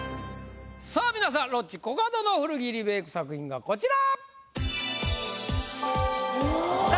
さぁ皆さんロッチ・コカドの古着リメイク作品がこちら！